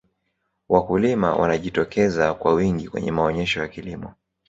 walikulima wanajitokeza kwa wingi kwenye maonesho ya kilimo